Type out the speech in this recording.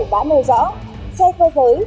đã nêu rõ xe cơ giới